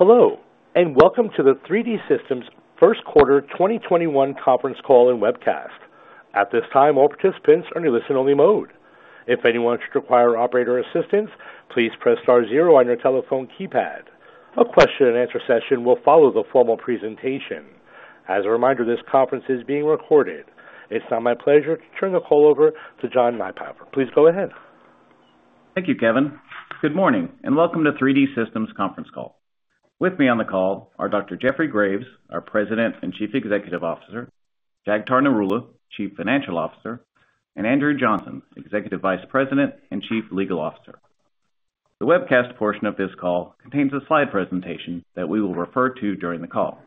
Hello, and welcome to the 3D Systems First Quarter 2021 Conference Call and Webcast. At this time, all participants are in listen only mode. If anyone should require operator assistance, please press star zero on your telephone keypad. A question and answer session will follow the formal presentation. As a reminder, this conference is being recorded. It's now my pleasure to turn the call over to John Nypaver. Please go ahead. Thank you, Kevin. Good morning, and welcome to 3D Systems conference call. With me on the call are Dr. Jeffrey Graves, our President and Chief Executive Officer, Jagtar Narula, Chief Financial Officer, and Andrew Johnson, Executive Vice President and Chief Legal Officer. The webcast portion of this call contains a slide presentation that we will refer to during the call.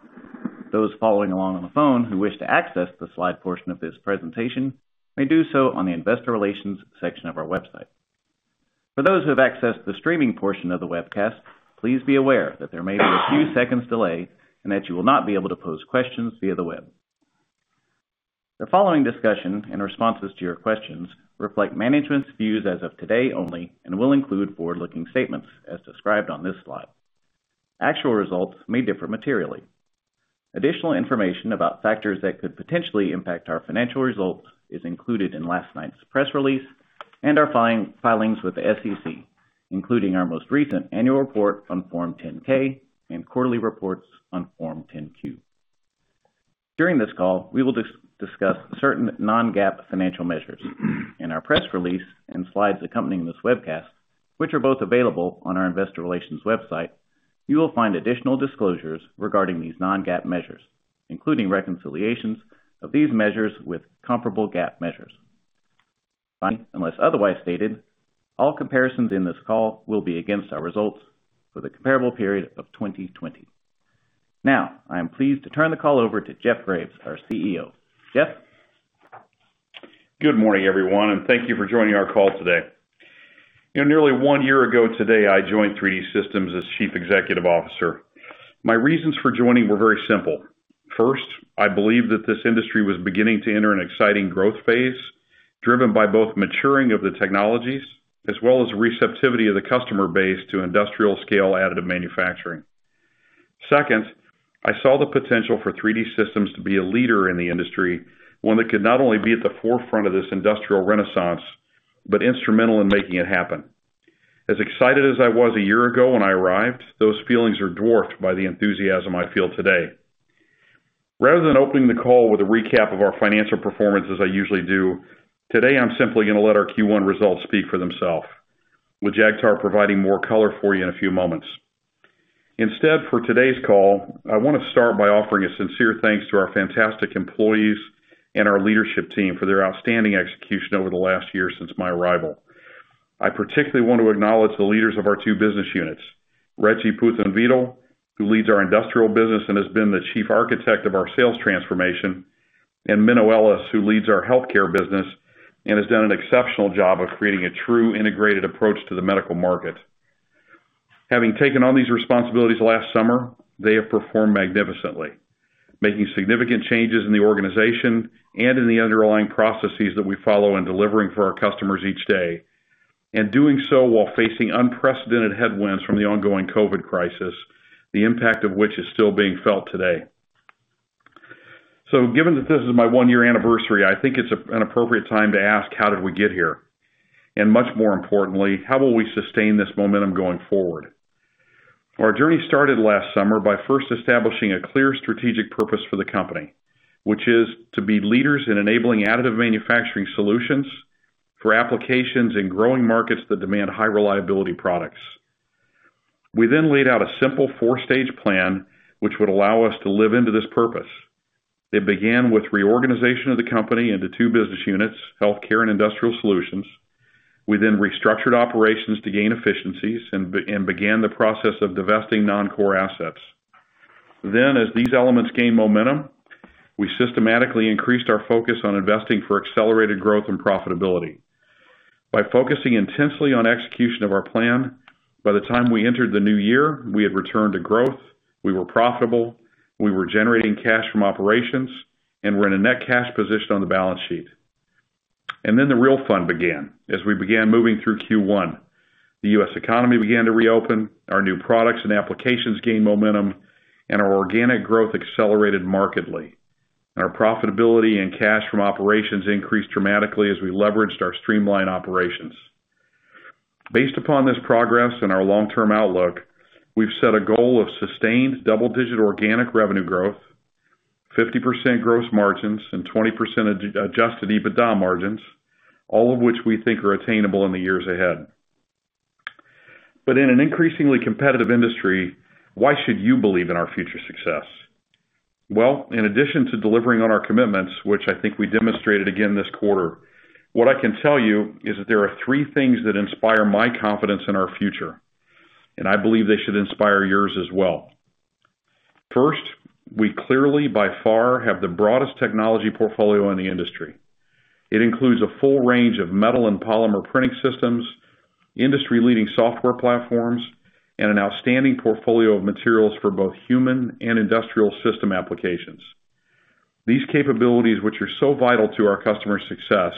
Those following along on the phone who wish to access the slide portion of this presentation may do so on the investor relations section of our website. For those who have accessed the streaming portion of the webcast, please be aware that there may be a few seconds delay, and that you will not be able to pose questions via the web. The following discussion and responses to your questions reflect management's views as of today only and will include forward-looking statements as described on this slide. Actual results may differ materially. Additional information about factors that could potentially impact our financial results is included in last night's press release and our filings with the SEC, including our most recent annual report on Form 10-K and quarterly reports on Form 10-Q. During this call, we will discuss certain non-GAAP financial measures. In our press release and slides accompanying this webcast, which are both available on our investor relations website, you will find additional disclosures regarding these non-GAAP measures, including reconciliations of these measures with comparable GAAP measures. Unless otherwise stated, all comparisons in this call will be against our results for the comparable period of 2020. Now, I am pleased to turn the call over to Jeff Graves, our CEO. Jeff? Good morning, everyone, and thank you for joining our call today. Nearly one year ago today, I joined 3D Systems as Chief Executive Officer. My reasons for joining were very simple. First, I believed that this industry was beginning to enter an exciting growth phase driven by both maturing of the technologies as well as receptivity of the customer base to industrial scale additive manufacturing. Second, I saw the potential for 3D Systems to be a leader in the industry, one that could not only be at the forefront of this industrial renaissance, but instrumental in making it happen. As excited as I was a year ago when I arrived, those feelings are dwarfed by the enthusiasm I feel today. Rather than opening the call with a recap of our financial performance, as I usually do, today, I'm simply going to let our Q1 results speak for themselves, with Jagtar providing more color for you in a few moments. Instead, for today's call, I want to start by offering a sincere thanks to our fantastic employees and our leadership team for their outstanding execution over the last year since my arrival. I particularly want to acknowledge the leaders of our two business units, Reji Puthenveetil, who leads our industrial business and has been the chief architect of our sales transformation, and Menno Ellis, who leads our healthcare business and has done an exceptional job of creating a true integrated approach to the medical market. Having taken on these responsibilities last summer, they have performed magnificently, making significant changes in the organization and in the underlying processes that we follow in delivering for our customers each day, and doing so while facing unprecedented headwinds from the ongoing COVID crisis, the impact of which is still being felt today. Given that this is my one-year anniversary, I think it's an appropriate time to ask, how did we get here? Much more importantly, how will we sustain this momentum going forward? Our journey started last summer by first establishing a clear strategic purpose for the company, which is to be leaders in enabling additive manufacturing solutions for applications in growing markets that demand high reliability products. We laid out a simple four-stage plan which would allow us to live into this purpose. It began with reorganization of the company into two business units, Healthcare and Industrial Solutions. We then restructured operations to gain efficiencies and began the process of divesting non-core assets. As these elements gained momentum, we systematically increased our focus on investing for accelerated growth and profitability. By focusing intensely on execution of our plan, by the time we entered the new year, we had returned to growth, we were profitable, we were generating cash from operations, and were in a net cash position on the balance sheet. The real fun began as we began moving through Q1. The U.S. economy began to reopen, our new products and applications gained momentum, and our organic growth accelerated markedly. Our profitability and cash from operations increased dramatically as we leveraged our streamlined operations. Based upon this progress and our long-term outlook, we've set a goal of sustained double-digit organic revenue growth, 50% gross margins, and 20% adjusted EBITDA margins, all of which we think are attainable in the years ahead. In an increasingly competitive industry, why should you believe in our future success? Well, in addition to delivering on our commitments, which I think we demonstrated again this quarter, what I can tell you is that there are three things that inspire my confidence in our future, and I believe they should inspire yours as well. First, we clearly, by far, have the broadest technology portfolio in the industry. It includes a full range of metal and polymer printing systems, industry-leading software platforms, and an outstanding portfolio of materials for both human and industrial system applications. These capabilities, which are so vital to our customer success,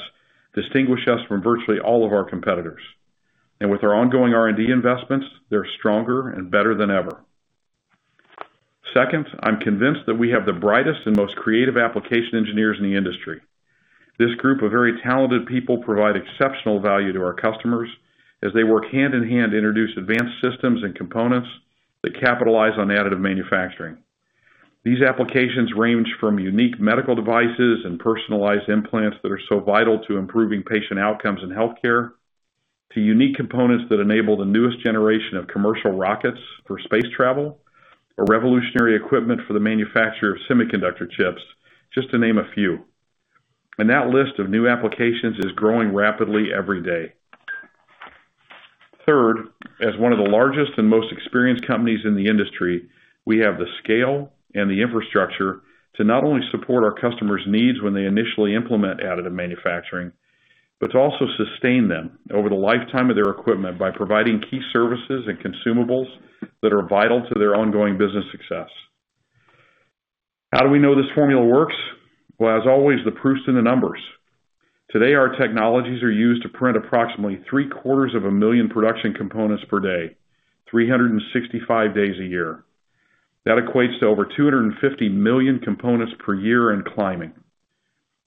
distinguish us from virtually all of our competitors. With our ongoing R&D investments, they're stronger and better than ever. Second, I'm convinced that we have the brightest and most creative application engineers in the industry. This group of very talented people provide exceptional value to our customers as they work hand-in-hand to introduce advanced systems and components that capitalize on additive manufacturing. These applications range from unique medical devices and personalized implants that are so vital to improving patient outcomes in healthcare, to unique components that enable the newest generation of commercial rockets for space travel, or revolutionary equipment for the manufacture of semiconductor chips, just to name a few. That list of new applications is growing rapidly every day. Third, as one of the largest and most experienced companies in the industry, we have the scale and the infrastructure to not only support our customers' needs when they initially implement additive manufacturing, but to also sustain them over the lifetime of their equipment by providing key services and consumables that are vital to their ongoing business success. How do we know this formula works? Well, as always, the proof's in the numbers. Today, our technologies are used to print approximately three-quarters of a million production components per day, 365 days a year. That equates to over 250 million components per year and climbing.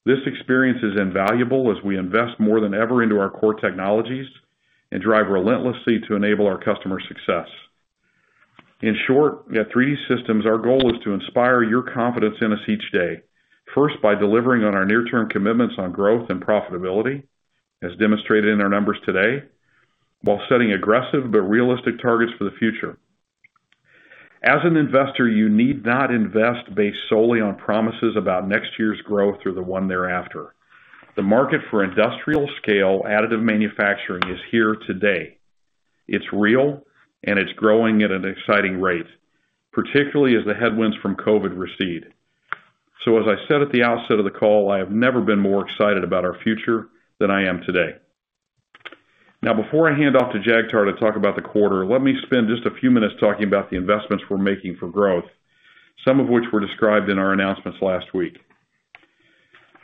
This experience is invaluable as we invest more than ever into our core technologies and drive relentlessly to enable our customer success. In short, at 3D Systems, our goal is to inspire your confidence in us each day, first by delivering on our near-term commitments on growth and profitability, as demonstrated in our numbers today, while setting aggressive but realistic targets for the future. As an investor, you need not invest based solely on promises about next year's growth or the one thereafter. The market for industrial-scale additive manufacturing is here today. It's real, and it's growing at an exciting rate, particularly as the headwinds from COVID recede. As I said at the outset of the call, I have never been more excited about our future than I am today. Now, before I hand off to Jagtar to talk about the quarter, let me spend just a few minutes talking about the investments we're making for growth, some of which were described in our announcements last week.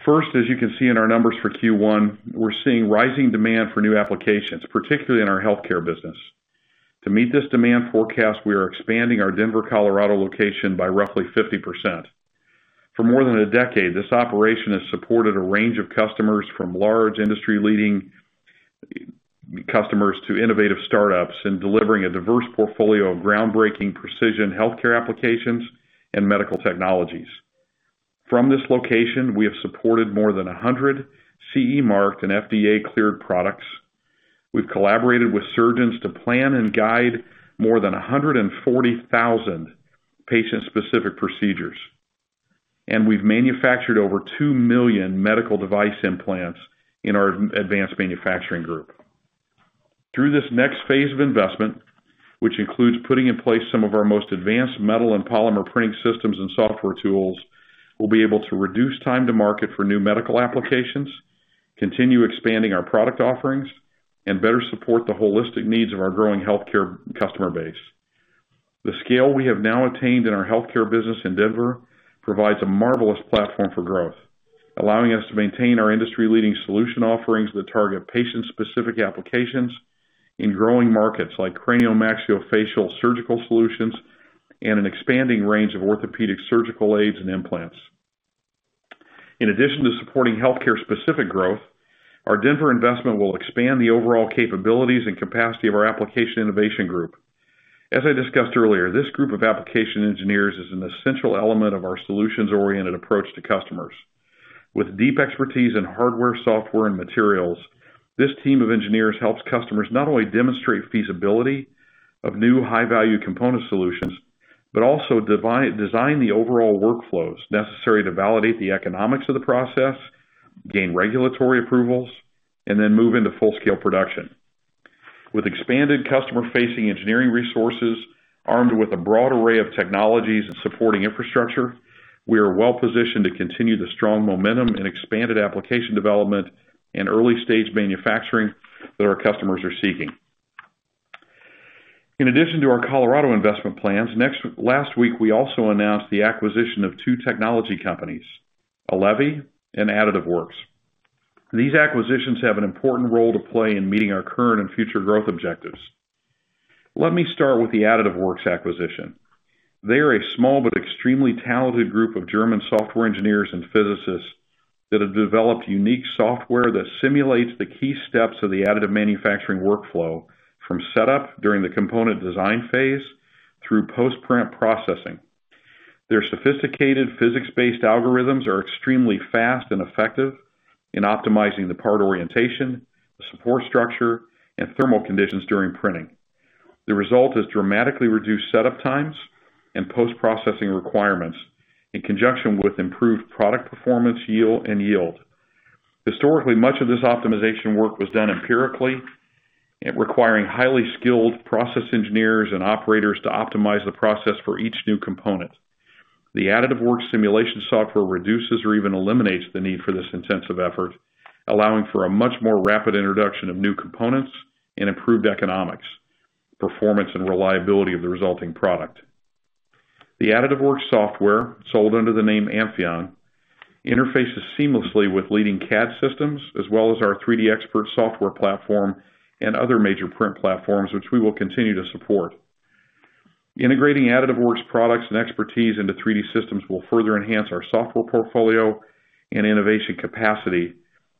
First, as you can see in our numbers for Q1, we're seeing rising demand for new applications, particularly in our healthcare business. To meet this demand forecast, we are expanding our Denver, Colorado, location by roughly 50%. For more than a decade, this operation has supported a range of customers, from large industry-leading customers to innovative startups, in delivering a diverse portfolio of groundbreaking precision healthcare applications and medical technologies. From this location, we have supported more than 100 CE marked and FDA-cleared products. We've collaborated with surgeons to plan and guide more than 140,000 patient-specific procedures. We've manufactured over 2 million medical device implants in our advanced manufacturing group. Through this next phase of investment, which includes putting in place some of our most advanced metal and polymer printing systems and software tools, we'll be able to reduce time to market for new medical applications, continue expanding our product offerings, and better support the holistic needs of our growing healthcare customer base. The scale we have now attained in our healthcare business in Denver provides a marvelous platform for growth, allowing us to maintain our industry-leading solution offerings that target patient-specific applications in growing markets like cranio-maxillofacial surgical solutions and an expanding range of orthopedic surgical aids and implants. In addition to supporting healthcare-specific growth, our Denver investment will expand the overall capabilities and capacity of our application innovation group. As I discussed earlier, this group of application engineers is an essential element of our solutions-oriented approach to customers. With deep expertise in hardware, software, and materials, this team of engineers helps customers not only demonstrate feasibility of new high-value component solutions, but also design the overall workflows necessary to validate the economics of the process, gain regulatory approvals, and then move into full-scale production. With expanded customer-facing engineering resources, armed with a broad array of technologies and supporting infrastructure, we are well-positioned to continue the strong momentum in expanded application development and early-stage manufacturing that our customers are seeking. In addition to our Colorado investment plans, last week, we also announced the acquisition of two technology companies, Allevi and Additive Works. These acquisitions have an important role to play in meeting our current and future growth objectives. Let me start with the Additive Works acquisition. They are a small but extremely talented group of German software engineers and physicists that have developed unique software that simulates the key steps of the additive manufacturing workflow, from setup during the component design phase through post-print processing. Their sophisticated physics-based algorithms are extremely fast and effective in optimizing the part orientation, the support structure, and thermal conditions during printing. The result is dramatically reduced setup times and post-processing requirements in conjunction with improved product performance yield. Historically, much of this optimization work was done empirically, requiring highly skilled process engineers and operators to optimize the process for each new component. The Additive Works simulation software reduces or even eliminates the need for this intensive effort, allowing for a much more rapid introduction of new components and improved economics, performance and reliability of the resulting product. The Additive Works software, sold under the name Amphyon, interfaces seamlessly with leading CAD systems, as well as our 3DXpert software platform and other major print platforms, which we will continue to support. Integrating Additive Works products and expertise into 3D Systems will further enhance our software portfolio and innovation capacity,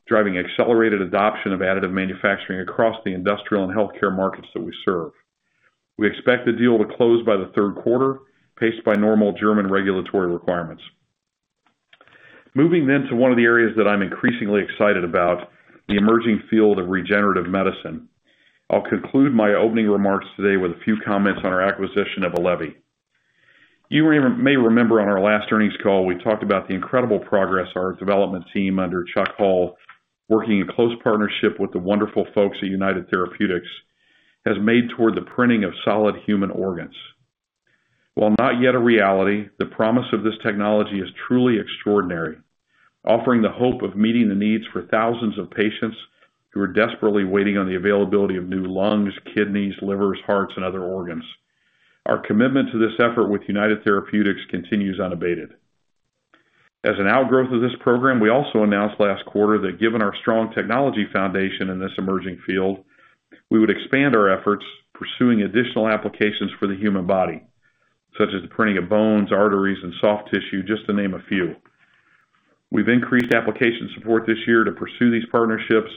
driving accelerated adoption of additive manufacturing across the industrial and healthcare markets that we serve. We expect the deal to close by the third quarter, paced by normal German regulatory requirements. Moving to one of the areas that I'm increasingly excited about, the emerging field of regenerative medicine. I'll conclude my opening remarks today with a few comments on our acquisition of Allevi. You may remember on our last earnings call, we talked about the incredible progress our development team under Chuck Hull, working in close partnership with the wonderful folks at United Therapeutics, has made toward the printing of solid human organs. While not yet a reality, the promise of this technology is truly extraordinary, offering the hope of meeting the needs for thousands of patients who are desperately waiting on the availability of new lungs, kidneys, livers, hearts, and other organs. Our commitment to this effort with United Therapeutics continues unabated. As an outgrowth of this program, we also announced last quarter that given our strong technology foundation in this emerging field, we would expand our efforts pursuing additional applications for the human body, such as the printing of bones, arteries, and soft tissue, just to name a few. We've increased application support this year to pursue these partnerships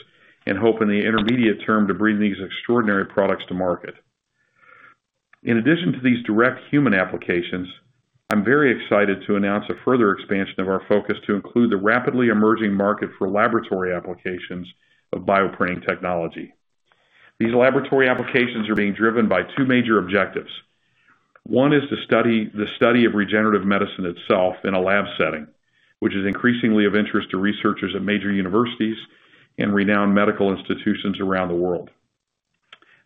and hope in the intermediate term to bring these extraordinary products to market. In addition to these direct human applications, I'm very excited to announce a further expansion of our focus to include the rapidly emerging market for laboratory applications of bioprinting technology. These laboratory applications are being driven by two major objectives. One is the study of regenerative medicine itself in a lab setting, which is increasingly of interest to researchers at major universities and renowned medical institutions around the world.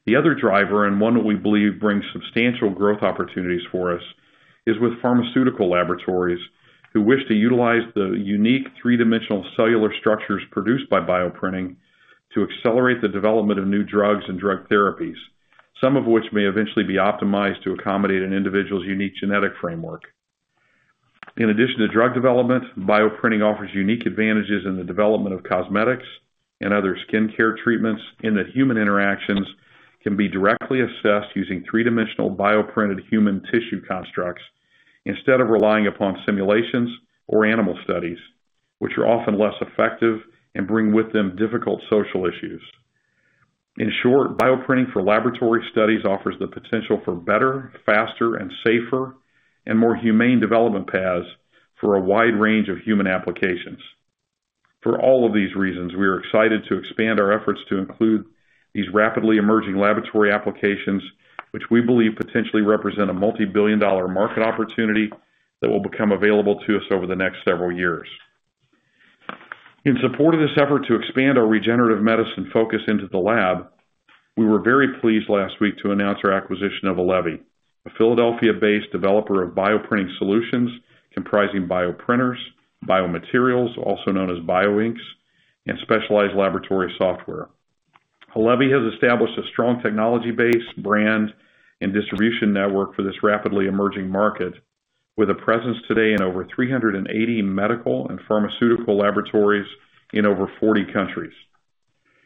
The other driver, and one that we believe brings substantial growth opportunities for us, is with pharmaceutical laboratories who wish to utilize the unique three-dimensional cellular structures produced by bioprinting to accelerate the development of new drugs and drug therapies, some of which may eventually be optimized to accommodate an individual's unique genetic framework. In addition to drug development, bioprinting offers unique advantages in the development of cosmetics and other skincare treatments in that human interactions can be directly assessed using three-dimensional bioprinted human tissue constructs, instead of relying upon simulations or animal studies, which are often less effective and bring with them difficult social issues. In short, bioprinting for laboratory studies offers the potential for better, faster, and safer and more humane development paths for a wide range of human applications. For all of these reasons, we are excited to expand our efforts to include these rapidly emerging laboratory applications, which we believe potentially represent a multibillion-dollar market opportunity that will become available to us over the next several years. In support of this effort to expand our regenerative medicine focus into the lab, we were very pleased last week to announce our acquisition of Allevi, a Philadelphia-based developer of bioprinting solutions comprising bioprinters, biomaterials, also known as bioinks, and specialized laboratory software. Allevi has established a strong technology base, brand, and distribution network for this rapidly emerging market with a presence today in over 380 medical and pharmaceutical laboratories in over 40 countries.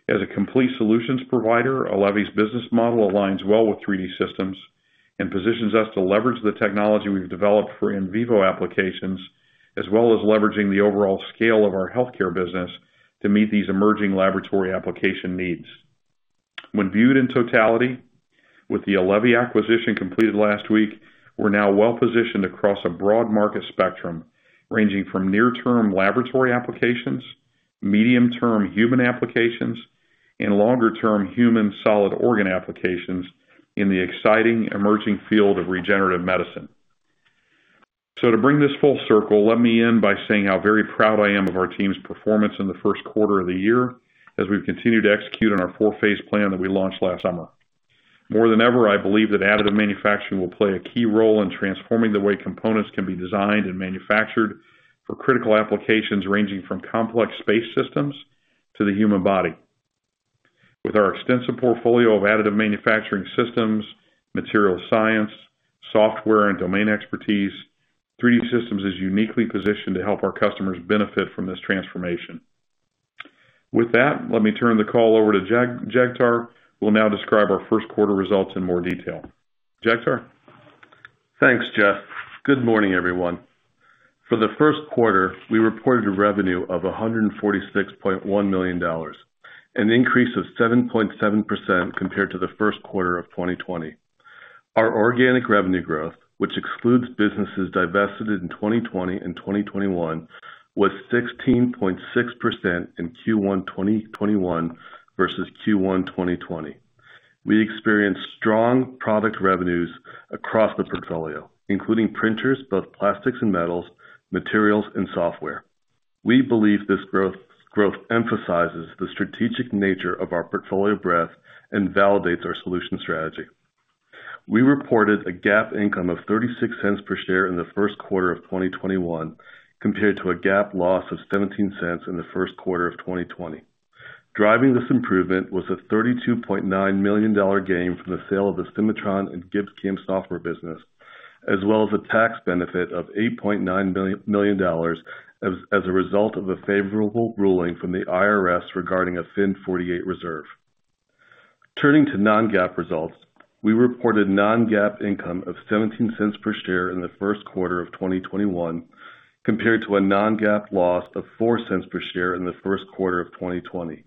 As a complete solutions provider, Allevi's business model aligns well with 3D Systems and positions us to leverage the technology we've developed for in vivo applications, as well as leveraging the overall scale of our healthcare business to meet these emerging laboratory application needs. When viewed in totality with the Allevi acquisition completed last week, we're now well-positioned across a broad market spectrum ranging from near-term laboratory applications, medium-term human applications, and longer-term human solid organ applications in the exciting emerging field of regenerative medicine. To bring this full circle, let me end by saying how very proud I am of our team's performance in the first quarter of the year as we've continued to execute on our four-phase plan that we launched last summer. More than ever, I believe that additive manufacturing will play a key role in transforming the way components can be designed and manufactured for critical applications ranging from complex space systems to the human body. With our extensive portfolio of additive manufacturing systems, material science, software, and domain expertise, 3D Systems is uniquely positioned to help our customers benefit from this transformation. With that, let me turn the call over to Jagtar, who will now describe our first quarter results in more detail. Jagtar? Thanks, Jeff. Good morning, everyone. For the first quarter, we reported a revenue of $146.1 million, an increase of 7.7% compared to the first quarter of 2020. Our organic revenue growth, which excludes businesses divested in 2020 and 2021, was 16.6% in Q1 2021 versus Q1 2020. We experienced strong product revenues across the portfolio, including printers, both plastics and metals, materials, and software. We believe this growth emphasizes the strategic nature of our portfolio breadth and validates our solution strategy. We reported a GAAP income of $0.36 per share in the first quarter of 2021 compared to a GAAP loss of $0.17 in the first quarter of 2020. Driving this improvement was a $32.9 million gain from the sale of the Cimatron and GibbsCAM software business, as well as a tax benefit of $8.9 million as a result of a favorable ruling from the IRS regarding a FIN 48 reserve. Turning to non-GAAP results, we reported non-GAAP income of $0.17 per share in the first quarter of 2021 compared to a non-GAAP loss of $0.04 per share in the first quarter of 2020.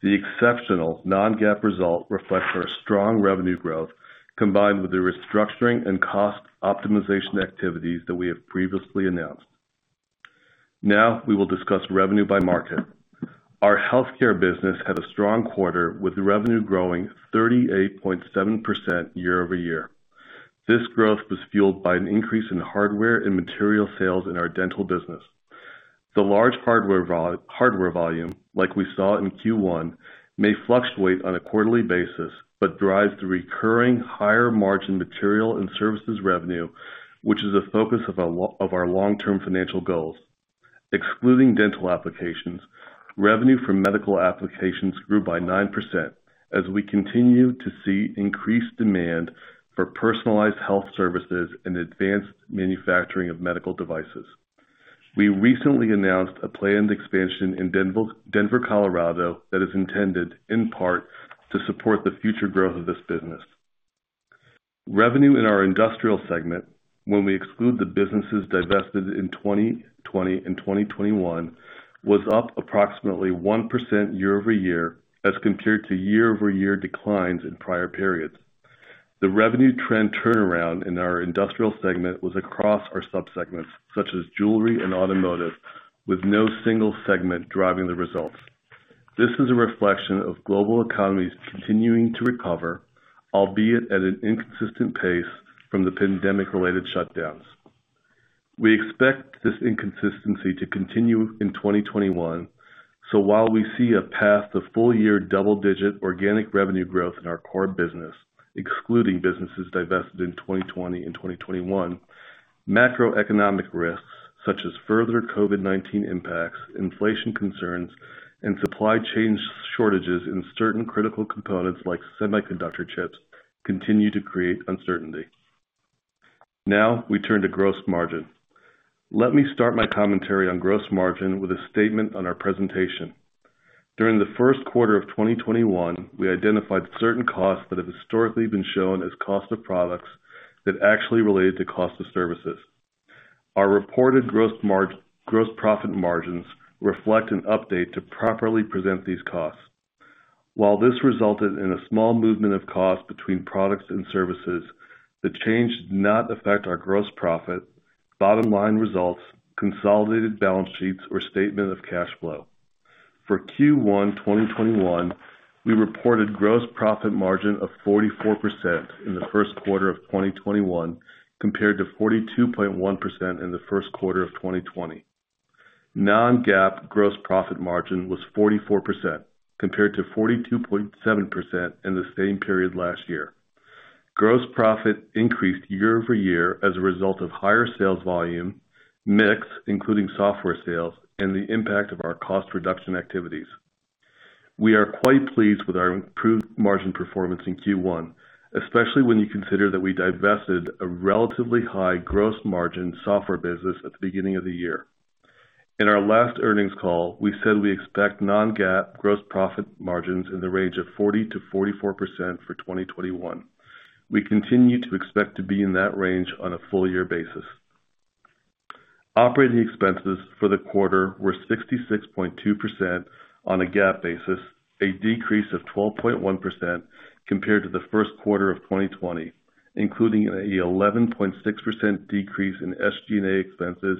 The exceptional non-GAAP result reflects our strong revenue growth combined with the restructuring and cost optimization activities that we have previously announced. Now, we will discuss revenue by market. Our healthcare business had a strong quarter with revenue growing 38.7% year-over-year. This growth was fueled by an increase in hardware and material sales in our dental business. The large hardware volume, like we saw in Q1, may fluctuate on a quarterly basis, but drives the recurring higher margin material and services revenue, which is a focus of our long-term financial goals. Excluding dental applications, revenue from medical applications grew by 9% as we continue to see increased demand for personalized health services and advanced manufacturing of medical devices. We recently announced a planned expansion in Denver, Colorado that is intended in part to support the future growth of this business. Revenue in our industrial segment, when we exclude the businesses divested in 2020 and 2021, was up approximately 1% year-over-year as compared to year-over-year declines in prior periods. The revenue trend turnaround in our industrial segment was across our sub-segments such as jewelry and automotive with no single segment driving the results. This is a reflection of global economies continuing to recover, albeit at an inconsistent pace from the pandemic-related shutdowns. We expect this inconsistency to continue in 2021, so while we see a path to full-year double-digit organic revenue growth in our core business, excluding businesses divested in 2020 and 2021, macroeconomic risks such as further COVID-19 impacts, inflation concerns, and supply chain shortages in certain critical components like semiconductor chips continue to create uncertainty. We turn to gross margin. Let me start my commentary on gross margin with a statement on our presentation. During the first quarter of 2021, we identified certain costs that have historically been shown as cost of products that actually related to cost of services. Our reported gross profit margins reflect an update to properly present these costs. While this resulted in a small movement of cost between products and services, the change did not affect our gross profit, bottom line results, consolidated balance sheets, or statement of cash flow. For Q1 2021, we reported gross profit margin of 44% in the first quarter of 2021 compared to 42.1% in the first quarter of 2020. Non-GAAP gross profit margin was 44% compared to 42.7% in the same period last year. Gross profit increased year-over-year as a result of higher sales volume, mix, including software sales, and the impact of our cost reduction activities. We are quite pleased with our improved margin performance in Q1, especially when you consider that we divested a relatively high gross margin software business at the beginning of the year. In our last earnings call, we said we expect non-GAAP gross profit margins in the range of 40%-44% for 2021. We continue to expect to be in that range on a full year basis. Operating expenses for the quarter were 66.2% on a GAAP basis, a decrease of 12.1% compared to the first quarter of 2020, including an 11.6% decrease in SG&A expenses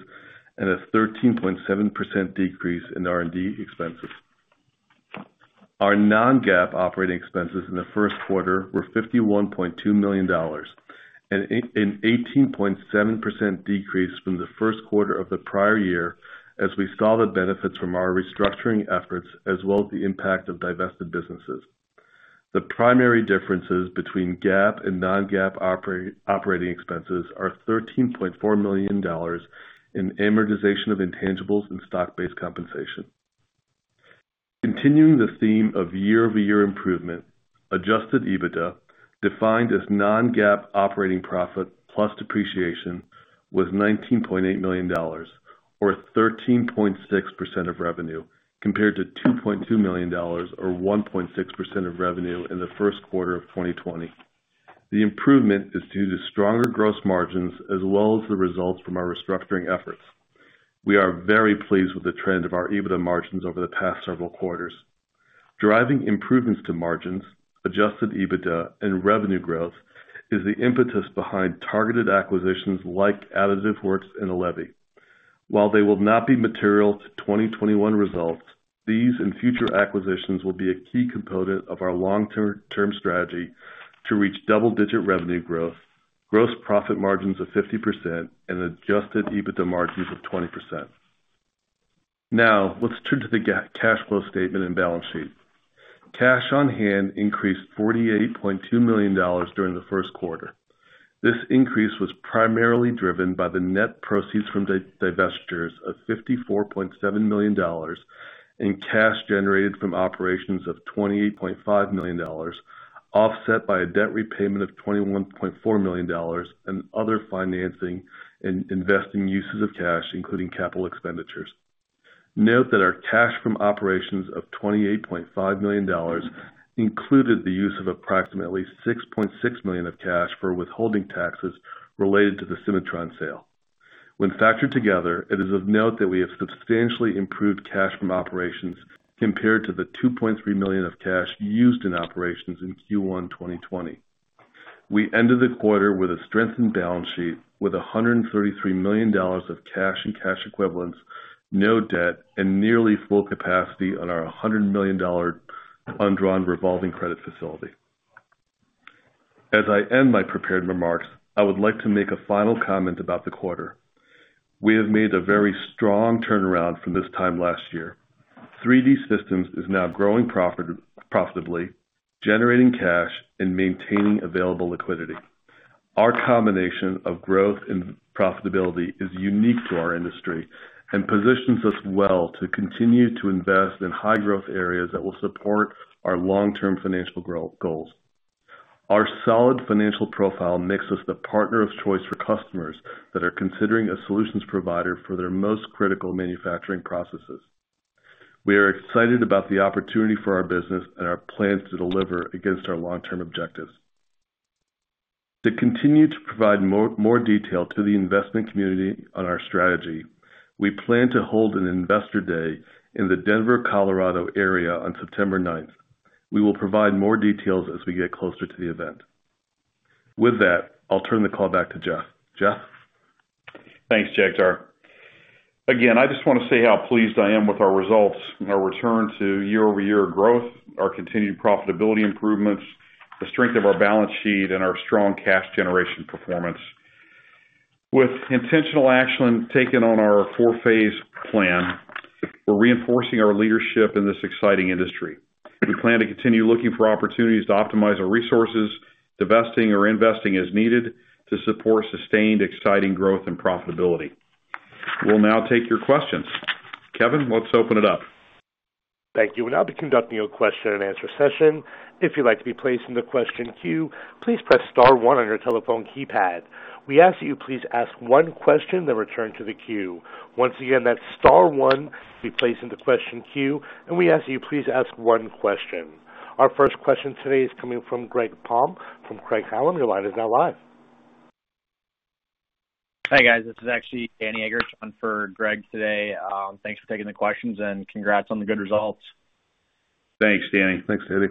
and a 13.7% decrease in R&D expenses. Our non-GAAP operating expenses in the first quarter were $51.2 million, an 18.7% decrease from the first quarter of the prior year as we saw the benefits from our restructuring efforts as well as the impact of divested businesses. The primary differences between GAAP and non-GAAP operating expenses are $13.4 million in amortization of intangibles and stock-based compensation. Continuing the theme of year-over-year improvement, adjusted EBITDA, defined as non-GAAP operating profit plus depreciation, was $19.8 million or 13.6% of revenue, compared to $2.2 million or 1.6% of revenue in the first quarter of 2020. The improvement is due to stronger gross margins as well as the results from our restructuring efforts. We are very pleased with the trend of our EBITDA margins over the past several quarters. Driving improvements to margins, adjusted EBITDA and revenue growth is the impetus behind targeted acquisitions like Additive Works and Allevi. While they will not be material to 2021 results, these and future acquisitions will be a key component of our long-term strategy to reach double-digit revenue growth, gross profit margins of 50%, and adjusted EBITDA margins of 20%. Now, let's turn to the cash flow statement and balance sheet. Cash on hand increased $48.2 million during the first quarter. This increase was primarily driven by the net proceeds from divestitures of $54.7 million, and cash generated from operations of $28.5 million, offset by a debt repayment of $21.4 million, and other financing and investing uses of cash, including capital expenditures. Note that our cash from operations of $28.5 million included the use of approximately $6.6 million of cash for withholding taxes related to the Cimatron sale. When factored together, it is of note that we have substantially improved cash from operations compared to the $2.3 million of cash used in operations in Q1 2020. We ended the quarter with a strengthened balance sheet with $133 million of cash and cash equivalents, no debt, and nearly full capacity on our $100 million undrawn revolving credit facility. As I end my prepared remarks, I would like to make a final comment about the quarter. We have made a very strong turnaround from this time last year. 3D Systems is now growing profitably, generating cash and maintaining available liquidity. Our combination of growth and profitability is unique to our industry and positions us well to continue to invest in high growth areas that will support our long-term financial growth goals. Our solid financial profile makes us the partner of choice for customers that are considering a solutions provider for their most critical manufacturing processes. We are excited about the opportunity for our business and our plans to deliver against our long-term objectives. To continue to provide more detail to the investment community on our strategy, we plan to hold an Investor Day in the Denver, Colorado area on September 9th. We will provide more details as we get closer to the event. With that, I'll turn the call back to Jeff. Jeff? Thanks, Jagtar. Again, I just want to say how pleased I am with our results, our return to year-over-year growth, our continued profitability improvements, the strength of our balance sheet, and our strong cash generation performance. With intentional action taken on our four-phase plan, we're reinforcing our leadership in this exciting industry. We plan to continue looking for opportunities to optimize our resources, divesting or investing as needed, to support sustained exciting growth and profitability. We'll now take your questions. Kevin, let's open it up. Thank you. We'll now be conducting a question and answer session. If you'd like to be placed in the question queue, please press star one on your telephone keypad. We ask that you please ask one question, then return to the queue. Once again, that's star one to be placed in the question queue. We ask that you please ask one question. Our first question today is coming from Greg Palm from Craig-Hallum. Your line is now live. Hi, guys. This is actually Danny Eggerichs on for Greg today. Thanks for taking the questions and congrats on the good results. Thanks, Danny. Thanks, Danny.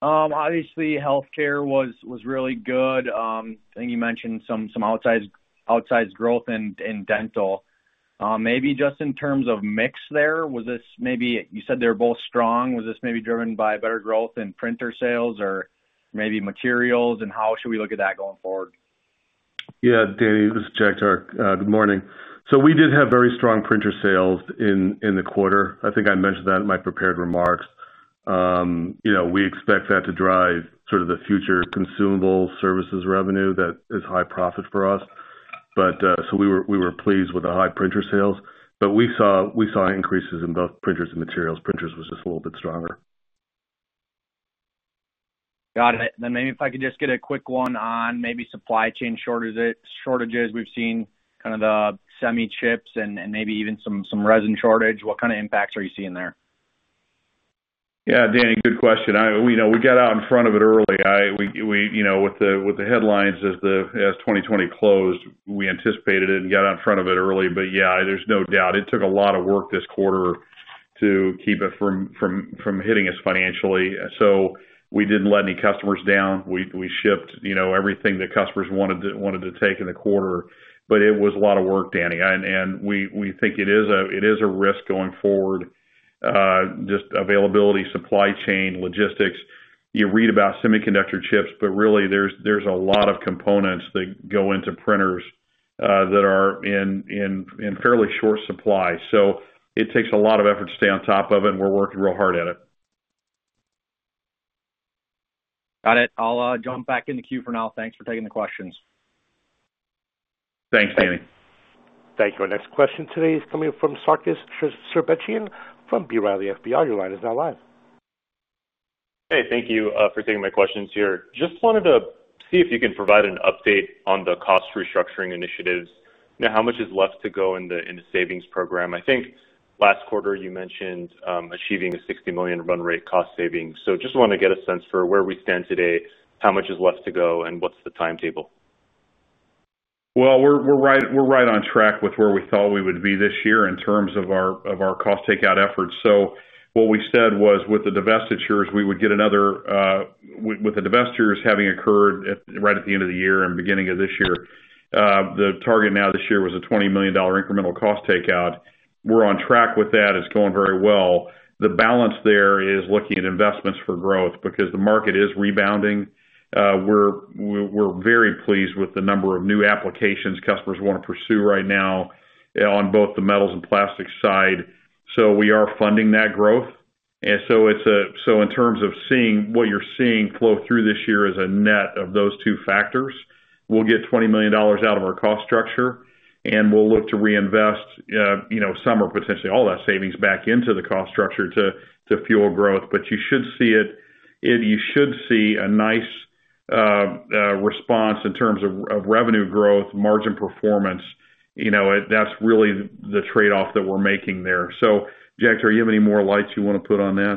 Obviously, healthcare was really good. I think you mentioned some outsized growth in dental. Just in terms of mix there, you said they were both strong. Was this maybe driven by better growth in printer sales or maybe materials? How should we look at that going forward? Yeah, Danny, this is Jagtar. Good morning. We did have very strong printer sales in the quarter. I think I mentioned that in my prepared remarks. We expect that to drive sort of the future consumable services revenue that is high profit for us. We were pleased with the high printer sales. We saw increases in both printers and materials. Printers was just a little bit stronger. Got it. Maybe if I could just get a quick one on maybe supply chain shortages. We've seen kind of the semi chips and maybe even some resin shortage. What kind of impacts are you seeing there? Yeah, Danny, good question. We got out in front of it early. With the headlines as 2020 closed, we anticipated it and got out in front of it early. Yeah, there's no doubt it took a lot of work this quarter to keep it from hitting us financially. We didn't let any customers down. We shipped everything that customers wanted to take in the quarter. It was a lot of work, Danny. We think it is a risk going forward, just availability, supply chain, logistics. You read about semiconductor chips, but really there's a lot of components that go into printers that are in fairly short supply. It takes a lot of effort to stay on top of it, and we're working real hard at it. Got it. I'll jump back in the queue for now. Thanks for taking the questions. Thanks, Danny. Thank you. Our next question today is coming from Sarkis Sherbetchyan from B. Riley FBR. Your line is now live. Hey, thank you for taking my questions here. Wanted to see if you can provide an update on the cost restructuring initiatives. How much is left to go in the savings program? I think last quarter you mentioned achieving a $60 million run rate cost savings. Just want to get a sense for where we stand today, how much is left to go, and what's the timetable? Well, we're right on track with where we thought we would be this year in terms of our cost takeout efforts. What we said was with the divestitures having occurred right at the end of the year and beginning of this year, the target now this year was a $20 million incremental cost takeout. We're on track with that. It's going very well. The balance there is looking at investments for growth because the market is rebounding. We're very pleased with the number of new applications customers want to pursue right now on both the metals and plastics side. We are funding that growth. In terms of seeing what you're seeing flow through this year as a net of those two factors, we'll get $20 million out of our cost structure, and we'll look to reinvest some or potentially all that savings back into the cost structure to fuel growth. You should see a nice response in terms of revenue growth, margin performance. That's really the trade-off that we're making there. Jagtar, do you have any more lights you want to put on that?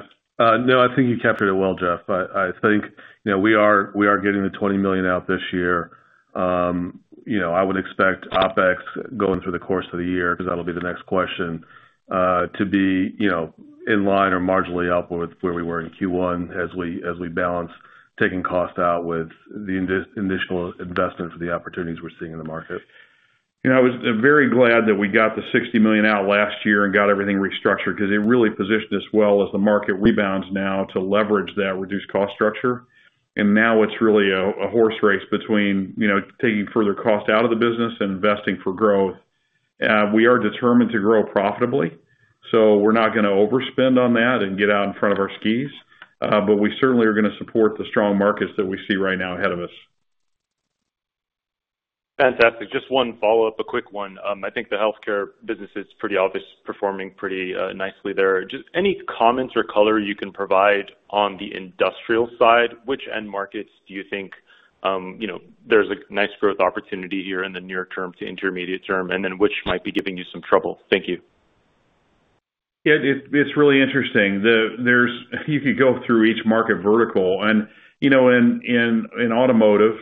No, I think you captured it well, Jeff. I think we are getting the $20 million out this year. I would expect OpEx going through the course of the year, because that'll be the next question, to be in line or marginally up with where we were in Q1 as we balance taking cost out with the initial investment for the opportunities we're seeing in the market. I was very glad that we got the $60 million out last year and got everything restructured because it really positioned us well as the market rebounds now to leverage that reduced cost structure. Now it's really a horse race between taking further cost out of the business and investing for growth. We are determined to grow profitably, we're not going to overspend on that and get out in front of our skis. We certainly are going to support the strong markets that we see right now ahead of us. Fantastic. Just one follow-up, a quick one. I think the healthcare business is pretty obvious, performing pretty nicely there. Just any comments or color you can provide on the industrial side, which end markets do you think there's a nice growth opportunity here in the near term to intermediate term, and then which might be giving you some trouble? Thank you. Yeah, it's really interesting. You could go through each market vertical. In automotive,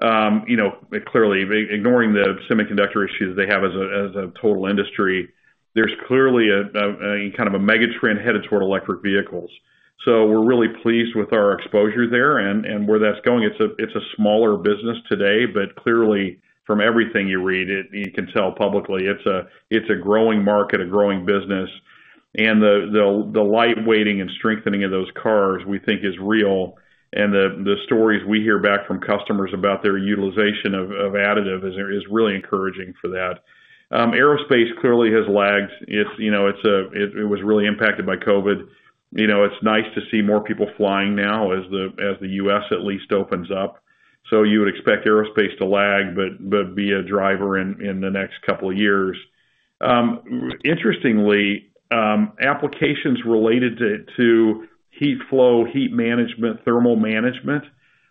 clearly ignoring the semiconductor issues they have as a total industry, there's clearly a mega trend headed toward electric vehicles. We're really pleased with our exposure there and where that's going. It's a smaller business today, but clearly from everything you read, you can tell publicly, it's a growing market, a growing business. The lightweighting and strengthening of those cars we think is real, and the stories we hear back from customers about their utilization of additive is really encouraging for that. Aerospace clearly has lagged. It was really impacted by COVID. It's nice to see more people flying now as the U.S. at least opens up. You would expect aerospace to lag, but be a driver in the next couple of years. Interestingly, applications related to heat flow, heat management, thermal management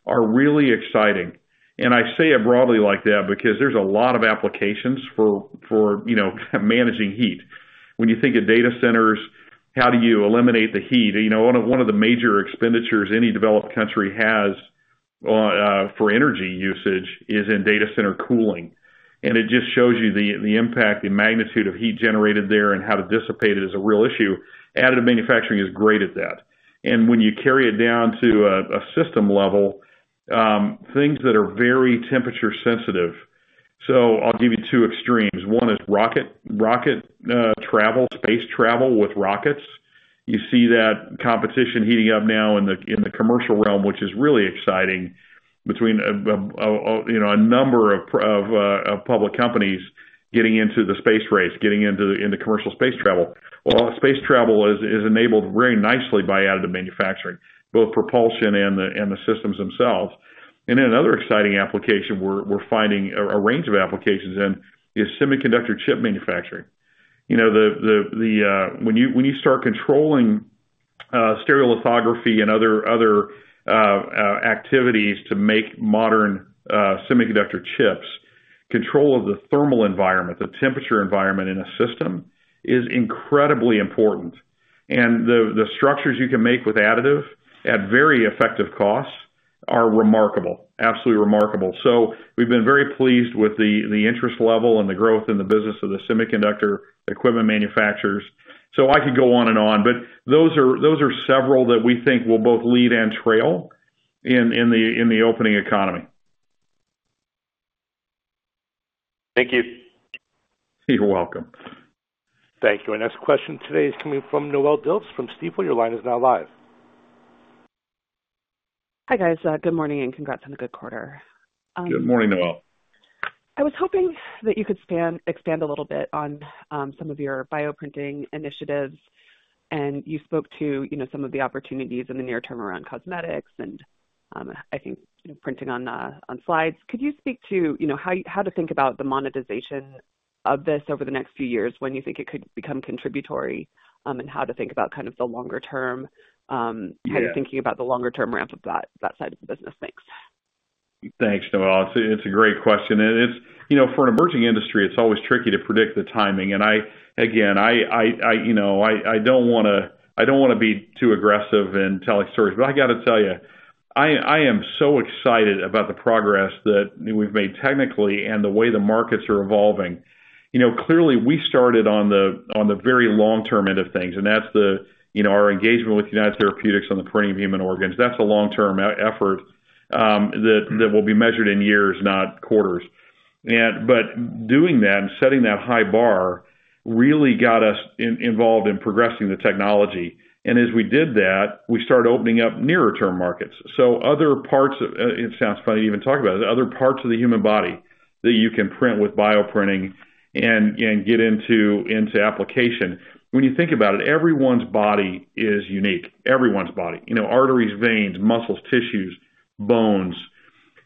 are really exciting. I say it broadly like that because there's a lot of applications for managing heat. When you think of data centers, how do you eliminate the heat? One of the major expenditures any developed country has for energy usage is in data center cooling. It just shows you the impact and magnitude of heat generated there and how to dissipate it is a real issue. Additive manufacturing is great at that. When you carry it down to a system level, things that are very temperature sensitive, I'll give you two extremes. One is rocket travel, space travel with rockets. You see that competition heating up now in the commercial realm, which is really exciting between a number of public companies getting into the space race, getting into commercial space travel. Well, space travel is enabled very nicely by additive manufacturing, both propulsion and the systems themselves. Another exciting application we're finding, a range of applications in, is semiconductor chip manufacturing. When you start controlling stereolithography and other activities to make modern semiconductor chips, control of the thermal environment, the temperature environment in a system is incredibly important. The structures you can make with additive at very effective costs are remarkable, absolutely remarkable. We've been very pleased with the interest level and the growth in the business of the semiconductor equipment manufacturers. I could go on and on, those are several that we think will both lead and trail in the opening economy. Thank you. You're welcome. Thank you. Our next question today is coming from Noelle Dilts from Stifel. Your line is now live. Hi, guys. Good morning, and congrats on a good quarter. Good morning, Noelle. I was hoping that you could expand a little bit on some of your bioprinting initiatives. You spoke to some of the opportunities in the near term around cosmetics and I think printing on slides. Could you speak to how to think about the monetization of this over the next few years when you think it could become contributory? How to think about kind of the longer term? Yeah. How you're thinking about the longer term ramp of that side of the business? Thanks. Thanks, Noelle. It's a great question. For an emerging industry, it's always tricky to predict the timing. Again, I don't want to be too aggressive in telling stories, I got to tell you, I am so excited about the progress that we've made technically and the way the markets are evolving. Clearly we started on the very long term end of things, that's our engagement with United Therapeutics on the printing of human organs. That's a long-term effort that will be measured in years, not quarters. Doing that and setting that high bar really got us involved in progressing the technology. As we did that, we started opening up nearer term markets. It sounds funny to even talk about it, other parts of the human body that you can print with bioprinting and get into application. When you think about it, everyone's body is unique. Everyone's body. Arteries, veins, muscles, tissues, bones.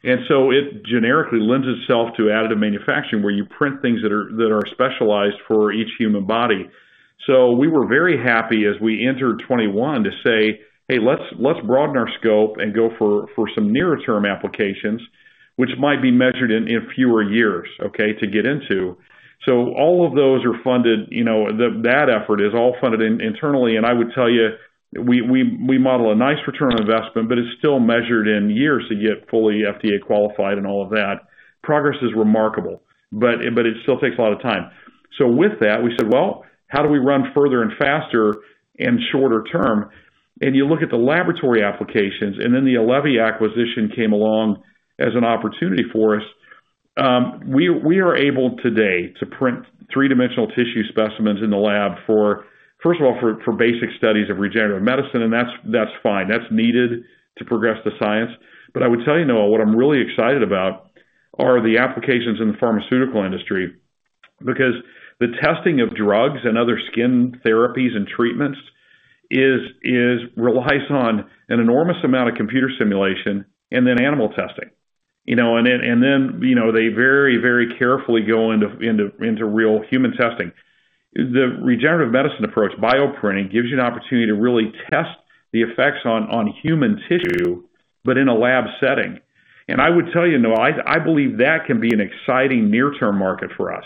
It generically lends itself to additive manufacturing, where you print things that are specialized for each human body. We were very happy as we entered 2021 to say, "Hey, let's broaden our scope and go for some nearer-term applications, which might be measured in fewer years to get into." All of those are funded, that effort is all funded internally. I would tell you, we model a nice return on investment, but it's still measured in years to get fully FDA qualified and all of that. Progress is remarkable, but it still takes a lot of time. With that, we said, "Well, how do we run further and faster and shorter term?" You look at the laboratory applications, then the Allevi acquisition came along as an opportunity for us. We are able today to print three-dimensional tissue specimens in the lab for, first of all, for basic studies of regenerative medicine, and that's fine. That's needed to progress the science. I would tell you, Noelle, what I'm really excited about are the applications in the pharmaceutical industry, because the testing of drugs and other skin therapies and treatments relies on an enormous amount of computer simulation and then animal testing. Then they very carefully go into real human testing. The regenerative medicine approach, bioprinting, gives you an opportunity to really test the effects on human tissue, but in a lab setting. I would tell you, Noelle, I believe that can be an exciting near-term market for us.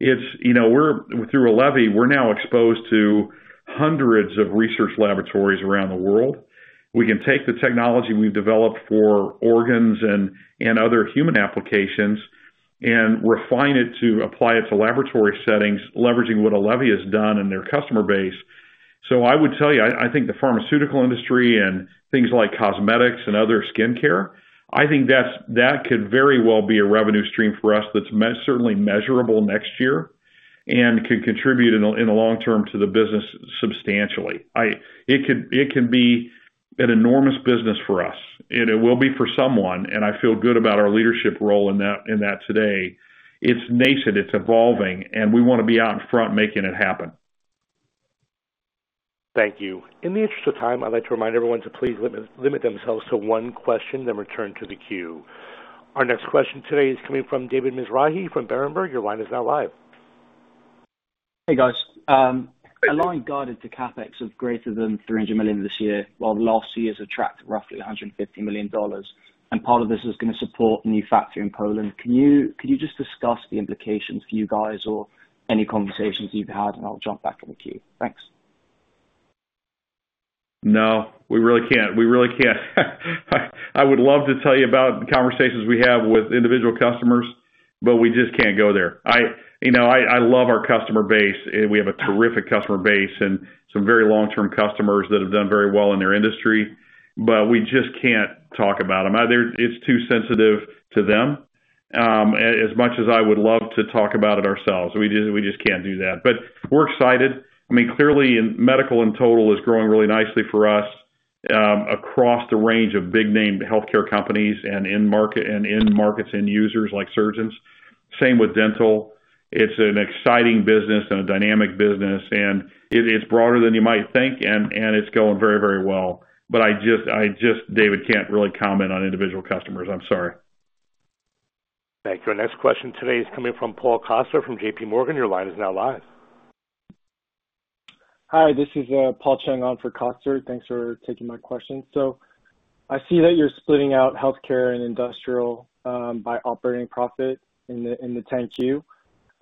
Through Allevi, we're now exposed to hundreds of research laboratories around the world. We can take the technology we've developed for organs and other human applications and refine it to apply it to laboratory settings, leveraging what Allevi has done and their customer base. I would tell you, I think the pharmaceutical industry and things like cosmetics and other skincare, I think that could very well be a revenue stream for us that's certainly measurable next year and could contribute in the long term to the business substantially. It can be an enormous business for us, and it will be for someone, and I feel good about our leadership role in that today. It's nascent, it's evolving, and we want to be out in front making it happen. Thank you. In the interest of time, I'd like to remind everyone to please limit themselves to one question, then return to the queue. Our next question today is coming from David Mizrahi from Berenberg. Your line is now live. Hey, guys. Hey. Align guided to CapEx of greater than $300 million this year, while last year's tracked at roughly $150 million. Part of this is going to support a new factory in Poland. Could you just discuss the implications for you guys or any conversations you've had, and I'll jump back in the queue? Thanks. No, we really can't. I would love to tell you about the conversations we have with individual customers, but we just can't go there. I love our customer base, and we have a terrific customer base and some very long-term customers that have done very well in their industry, but we just can't talk about them. Either it's too sensitive to them. As much as I would love to talk about it ourselves, we just can't do that. We're excited. Clearly, medical in total is growing really nicely for us across the range of big name healthcare companies and end markets end users like surgeons. Same with dental. It's an exciting business and a dynamic business, and it's broader than you might think, and it's going very well. I just, David, can't really comment on individual customers. I'm sorry. Thank you. Our next question today is coming from Paul Coster from JPMorgan. Your line is now live. Hi, this is Paul Chang on for Coster. Thanks for taking my question. I see that you're splitting out healthcare and industrial by operating profit in the 10-Q.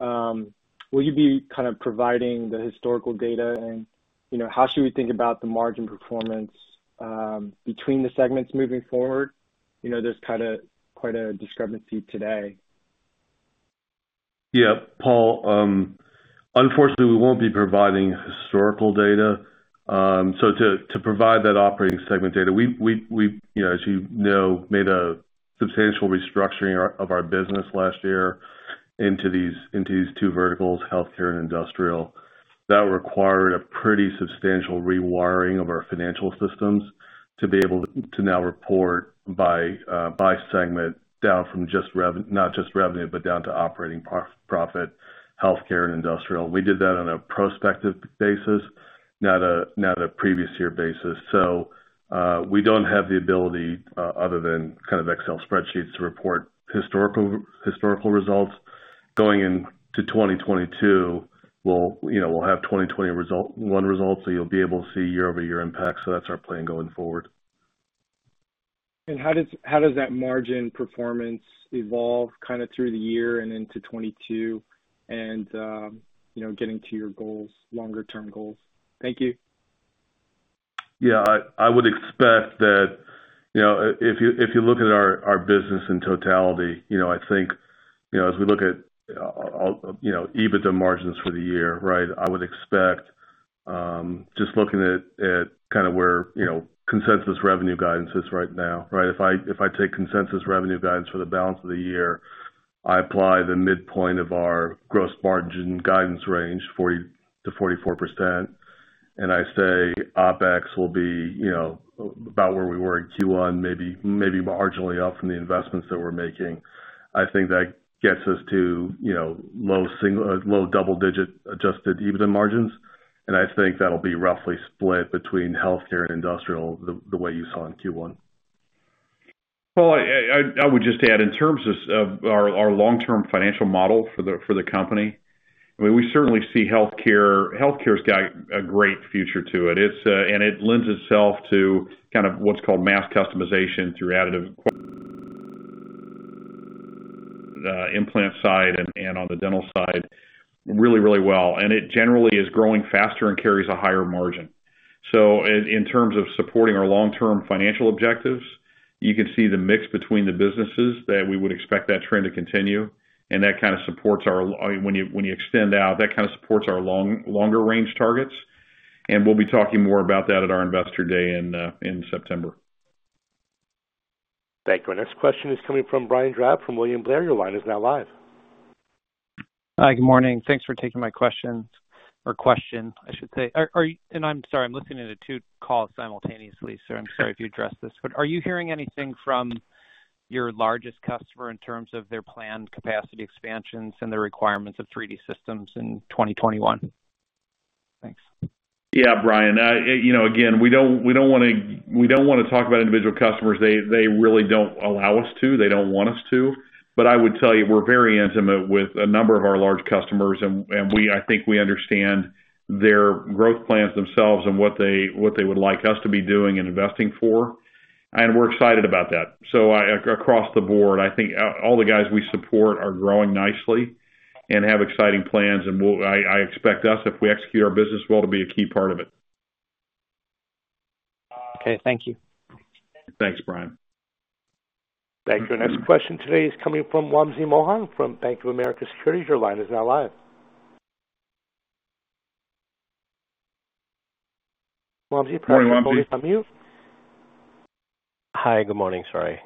Will you be kind of providing the historical data? How should we think about the margin performance between the segments moving forward? There's quite a discrepancy today. Paul, unfortunately, we won't be providing historical data. To provide that operating segment data, we, you know, made a substantial restructuring of our business last year into these two verticals, Healthcare and Industrial. That required a pretty substantial rewiring of our financial systems to be able to now report by segment down from not just revenue, but down to operating profit, Healthcare and Industrial. We did that on a prospective basis, not a previous year basis. We don't have the ability, other than Excel spreadsheets, to report historical results. Going into 2022, we'll have 2021 results, you'll be able to see year-over-year impacts. That's our plan going forward. How does that margin performance evolve kind of through the year and into 2022 and getting to your goals, longer term goals? Thank you. Yeah. I would expect that if you look at our business in totality, I think as we look at EBITDA margins for the year, I would expect, just looking at kind of where consensus revenue guidance is right now. If I take consensus revenue guidance for the balance of the year, I apply the midpoint of our gross margin guidance range, 40%-44%, and I say OpEx will be about where we were in Q1, maybe marginally up from the investments that we're making. I think that gets us to low double-digit adjusted EBITDA margins, and I think that'll be roughly split between healthcare and industrial the way you saw in Q1. Well, I would just add in terms of our long-term financial model for the company, we certainly see healthcare. Healthcare's got a great future to it. It lends itself to what's called mass customization through additive the implant side and on the dental side really, really well. It generally is growing faster and carries a higher margin. In terms of supporting our long-term financial objectives, you can see the mix between the businesses that we would expect that trend to continue, and when you extend out, that kind of supports our longer range targets, and we'll be talking more about that at our Investor Day in September. Thank you. Our next question is coming from Brian Drab from William Blair. Your line is now live. Hi, good morning. Thanks for taking my questions, or question, I should say. I'm sorry, I'm listening to two calls simultaneously, so I'm sorry if you addressed this. Are you hearing anything from your largest customer in terms of their planned capacity expansions and their requirements of 3D Systems in 2021? Thanks. Yeah, Brian. Again, we don't want to talk about individual customers. They really don't allow us to, they don't want us to. I would tell you, we're very intimate with a number of our large customers, and I think we understand their growth plans themselves and what they would like us to be doing and investing for, and we're excited about that. Across the board, I think all the guys we support are growing nicely and have exciting plans, and I expect us, if we execute our business well, to be a key part of it. Okay, thank you. Thanks, Brian. Thank you. Our next question today is coming from Wamsi Mohan from Bank of America Securities. Your line is now live. Wamsi, you're probably on mute. Morning, Wamsi. Hi, good morning, sorry.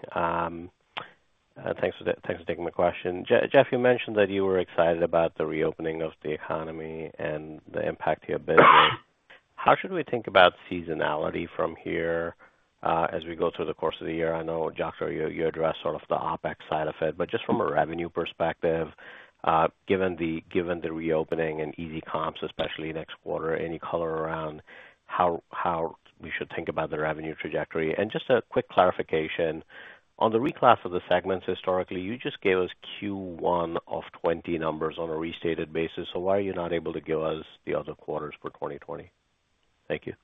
Thanks for taking my question. Jeff, you mentioned that you were excited about the reopening of the economy and the impact to your business. How should we think about seasonality from here as we go through the course of the year? I know, Jagtar, you addressed sort of the OpEx side of it, but just from a revenue perspective, given the reopening and easy comps, especially next quarter, any color around how we should think about the revenue trajectory? Just a quick clarification. On the reclass of the segments historically, you just gave us Q1 of 2020 numbers on a restated basis. Why are you not able to give us the other quarters for 2020? Thank you.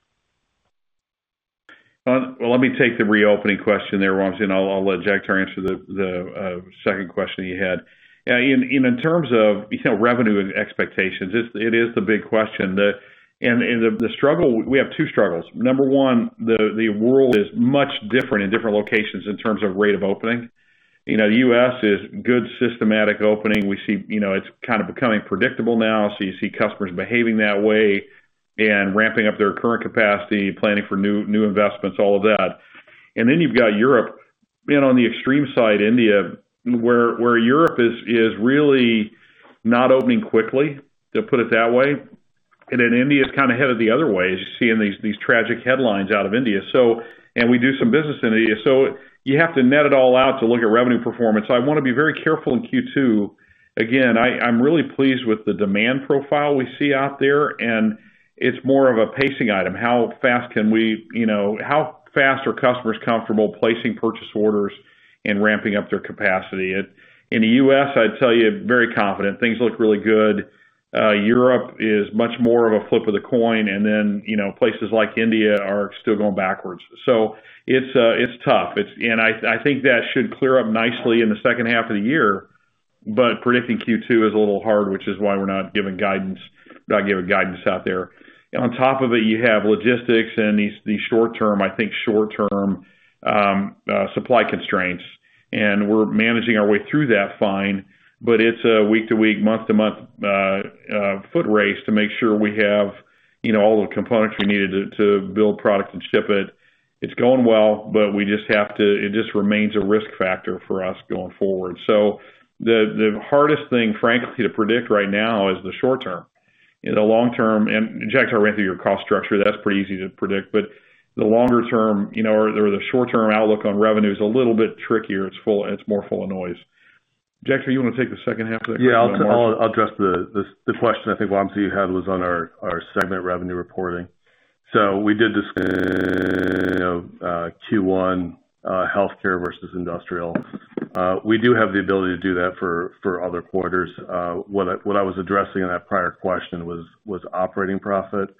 Let me take the reopening question there, Wamsi, and I'll let Jagtar answer the second question you had. In terms of revenue expectations, it is the big question. We have two struggles. Number one, the world is much different in different locations in terms of rate of opening. The U.S. is good, systematic opening. It's kind of becoming predictable now, you see customers behaving that way and ramping up their current capacity, planning for new investments, all of that. You've got Europe, on the extreme side, India, where Europe is really not opening quickly, to put it that way. India's kind of headed the other way, as you see in these tragic headlines out of India. We do some business in India. You have to net it all out to look at revenue performance. I want to be very careful in Q2. Again, I'm really pleased with the demand profile we see out there, and it's more of a pacing item. How fast are customers comfortable placing purchase orders and ramping up their capacity? In the U.S., I'd tell you, very confident. Things look really good. Europe is much more of a flip of the coin, and then places like India are still going backwards. It's tough. I think that should clear up nicely in the second half of the year, but predicting Q2 is a little hard, which is why we're not giving guidance out there. On top of it, you have logistics and these short-term, I think short-term, supply constraints, and we're managing our way through that fine, but it's a week-to-week, month-to-month foot race to make sure we have all the components we need to build product and ship it. It's going well, but it just remains a risk factor for us going forward. The hardest thing, frankly, to predict right now is the short term. The long term, Jagtar, I ran through your cost structure, that's pretty easy to predict, but the longer term or the short-term outlook on revenue is a little bit trickier. It's more full of noise. Jagtar, you want to take the second half of that question on margin? I'll address the question I think, Wamsi, you had was on our segment revenue reporting. We did discuss Q1 healthcare versus industrial. We do have the ability to do that for other quarters. What I was addressing in that prior question was operating profit,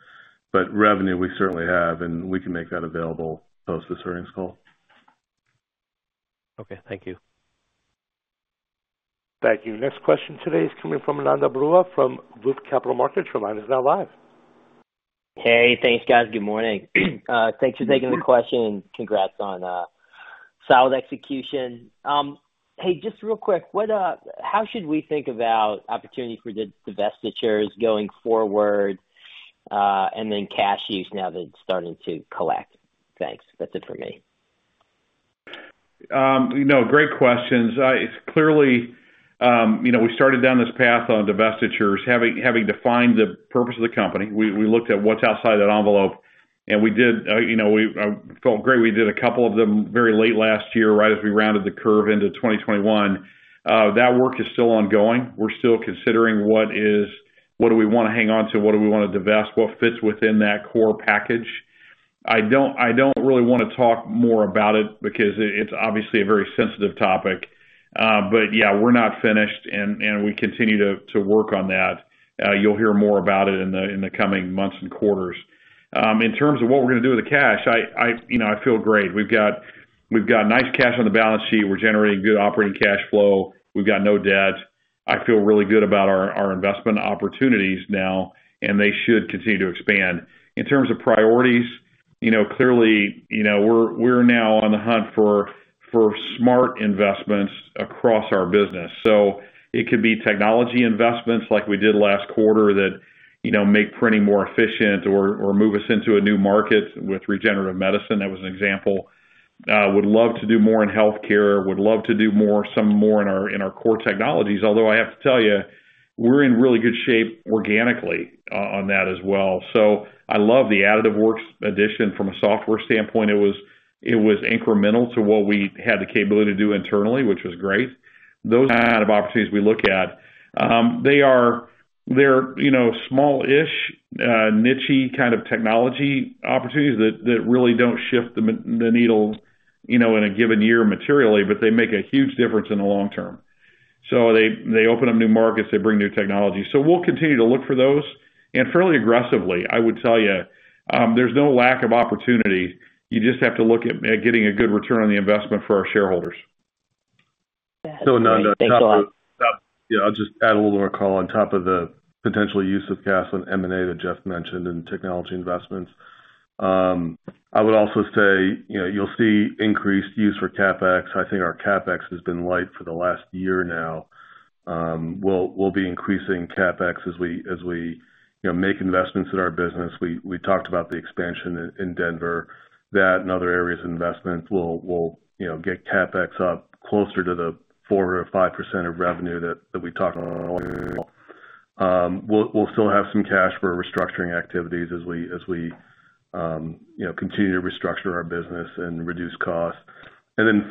but revenue, we certainly have, and we can make that available post this earnings call. Okay, thank you. Thank you. Next question today is coming from Ananda Baruah from Loop Capital Markets. Your line is now live. Thanks, guys. Good morning. Thanks for taking the question. Congrats on solid execution. Just real quick, how should we think about opportunity for divestitures going forward, and then cash use now that it's starting to collect? Thanks. That's it for me. Great questions. We started down this path on divestitures, having defined the purpose of the company. We looked at what's outside that envelope, we felt great. We did a couple of them very late last year, right as we rounded the curve into 2021. That work is still ongoing. We're still considering what do we want to hang on to? What do we want to divest? What fits within that core package? I don't really want to talk more about it, because it's obviously a very sensitive topic. Yeah, we're not finished, and we continue to work on that. You'll hear more about it in the coming months and quarters. In terms of what we're going to do with the cash, I feel great. We've got nice cash on the balance sheet. We're generating good operating cash flow. We've got no debt. I feel really good about our investment opportunities now, and they should continue to expand. In terms of priorities, clearly, we're now on the hunt for smart investments across our business. It could be technology investments like we did last quarter that make printing more efficient or move us into a new market with regenerative medicine. That was an example. Would love to do more in healthcare. Would love to do some more in our core technologies, although I have to tell you, we're in really good shape organically on that as well. I love the Additive Works addition from a software standpoint. It was incremental to what we had the capability to do internally, which was great. Those are the kind of opportunities we look at. They're smallish, niche-y kind of technology opportunities that really don't shift the needle in a given year materially, but they make a huge difference in the long term. They open up new markets, they bring new technology. We'll continue to look for those, and fairly aggressively. I would tell you, there's no lack of opportunity. You just have to look at getting a good return on the investment for our shareholders. That is great. Thanks a lot. Ananda, I'll just add a little more color on top of the potential use of cash on M&A that Jeff mentioned and technology investments. I would also say, you'll see increased use for CapEx. I think our CapEx has been light for the last year now. We'll be increasing CapEx as we make investments in our business. We talked about the expansion in Denver. That and other areas of investment will get CapEx up closer to the 4% or 5% of revenue that we talked about. We'll still have some cash for restructuring activities as we continue to restructure our business and reduce costs.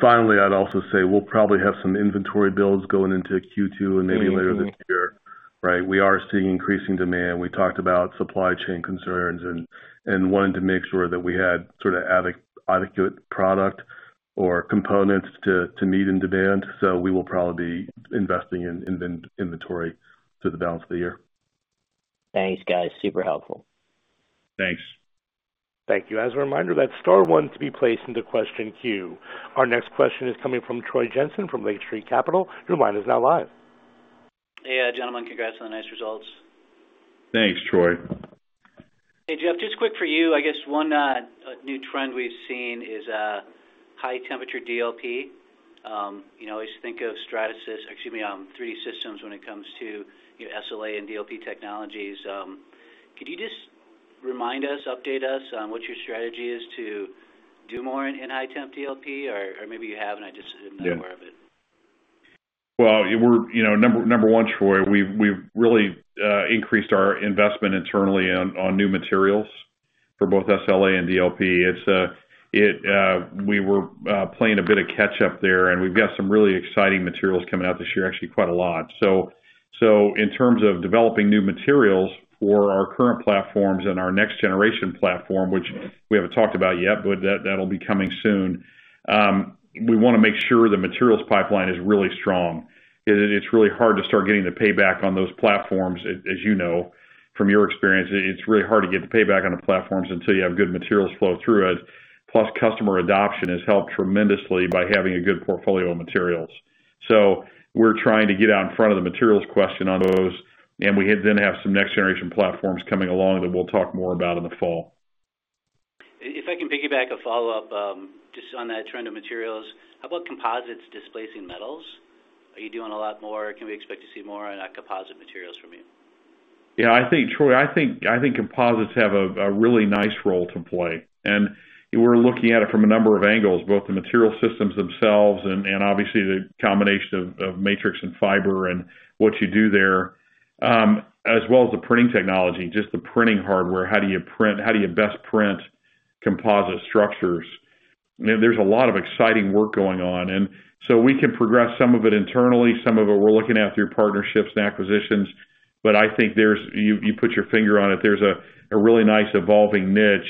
Finally, I'd also say we'll probably have some inventory builds going into Q2 and maybe later this year, right? We are seeing increasing demand. We talked about supply chain concerns and wanting to make sure that we had sort of adequate product or components to meet demand. We will probably be investing in inventory through the balance of the year. Thanks, guys. Super helpful. Thanks. Thank you. As a reminder, that's star one to be placed into question queue. Our next question is coming from Troy Jensen from Lake Street Capital. Your line is now live. Hey, gentlemen. Congrats on the nice results. Thanks, Troy. Hey, Jeff, just quick for you. I guess one new trend we've seen is high temperature DLP. Always think of Stratasys, excuse me, 3D Systems when it comes to SLA and DLP technologies. Could you just remind us, update us on what your strategy is to do more in high temp DLP, or maybe you have and I just am not aware of it? Well, number one, Troy, we've really increased our investment internally on new materials for both SLA and DLP. We were playing a bit of catch up there and we've got some really exciting materials coming out this year, actually quite a lot. In terms of developing new materials for our current platforms and our next-generation platform, which we haven't talked about yet, but that'll be coming soon. We want to make sure the materials pipeline is really strong. It's really hard to start getting the payback on those platforms, as you know, from your experience. It's really hard to get the payback on the platforms until you have good materials flow through it. Plus customer adoption has helped tremendously by having a good portfolio of materials. We're trying to get out in front of the materials question on those, and we then have some next generation platforms coming along that we'll talk more about in the fall. If I can piggyback a follow-up, just on that trend of materials, how about composites displacing metals? Are you doing a lot more? Can we expect to see more on composite materials from you? Yeah, Troy, I think composites have a really nice role to play, and we're looking at it from a number of angles, both the material systems themselves and obviously the combination of matrix and fiber and what you do there, as well as the printing technology, just the printing hardware. How do you best print composite structures? There's a lot of exciting work going on. We can progress some of it internally, some of it we're looking at through partnerships and acquisitions. I think you put your finger on it. There's a really nice evolving niche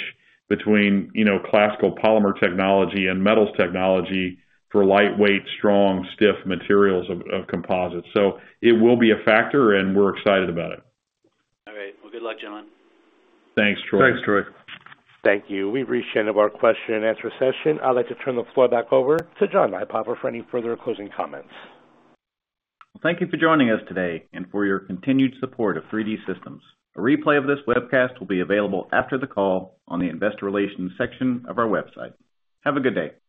between classical polymer technology and metals technology for lightweight, strong, stiff materials of composites. It will be a factor and we're excited about it. All right. Well, good luck, gentlemen. Thanks, Troy. Thanks, Troy. Thank you. We've reached the end of our question and answer session. I'd like to turn the floor back over to John Nypaver for any further closing comments. Well, thank you for joining us today and for your continued support of 3D Systems. A replay of this webcast will be available after the call on the investor relations section of our website. Have a good day.